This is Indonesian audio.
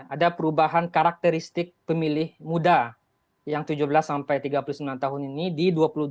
ada perubahan karakteristik pemilih muda yang tujuh belas sampai tiga puluh sembilan tahun ini di dua ribu dua puluh